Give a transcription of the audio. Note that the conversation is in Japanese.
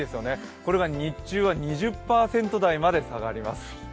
これが日中は２０％台まで下がります。